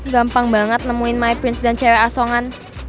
gampang banget nemuin my prince dan cewek asongan